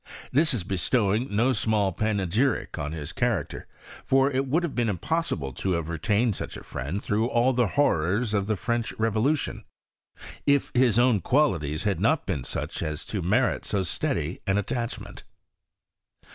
This Is bestowing no small panegyric on his character ; for it would have been impossible to have retained such a friend throu^ all the horrors of the French revolution, if his own qualities had not been such as to merit so steady an attachment.